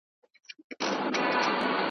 چي غویی له حیوانانو را ګوښه سو .